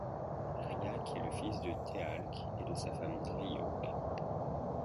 Rya'c est le fils de Teal'c et de sa femme Drey'auc.